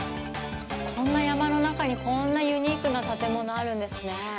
こんな山の中にこんなユニークな建物があるんですね。